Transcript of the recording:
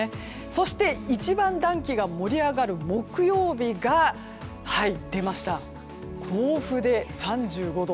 そして一番、暖気が盛り上がる木曜日が甲府で３５度。